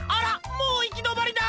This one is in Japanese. もういきどまりだ！